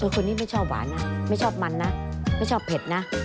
คนนี้ไม่ชอบหวานนะไม่ชอบมันนะไม่ชอบเผ็ดนะ